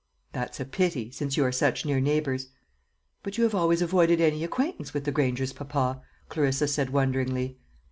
"That's a pity, since you are such near neighbours." "But you have always avoided any acquaintance with the Grangers, papa," Clarissa said wonderingly.